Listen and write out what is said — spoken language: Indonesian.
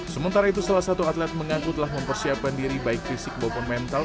sementara itu salah satu atlet mengaku telah mempersiapkan diri baik fisik maupun mental